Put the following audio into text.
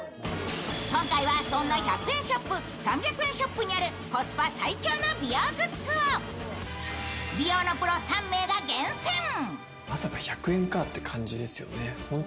今回はそんな１００円ショップ３００円ショップにあるコスパ最強の美容グッズを美容のプロ３名が厳選。